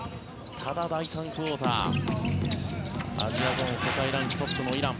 ただ、第３クオーターアジアゾーン世界ランクトップのイラン。